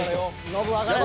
ノブ上がれ。